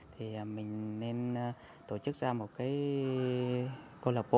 thì mình nên tổ chức ra một cái câu lạc bộ